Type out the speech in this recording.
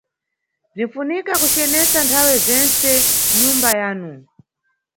Bzinʼfunika kucenesa nthawe zentse nyumba yanu